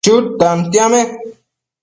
Chëd tantiame